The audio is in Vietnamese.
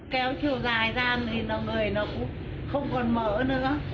kéo chiều dài ra thì người nó cũng không còn mỡ nữa